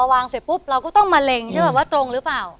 วางเสร็จปุ๊บเราก็ต้องมะเร็งใช่ป่ะว่าตรงหรือเปล่า